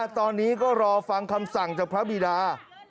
ตอนนี้ก็รอฟังคำสั่งจากพระบีดา